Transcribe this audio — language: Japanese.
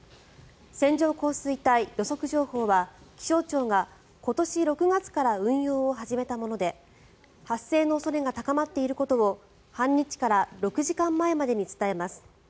線状降水帯予測情報は気象庁が今年６月から運用を始めたもので発生の恐れが高まっていることを半日から６時間前までに伝えます。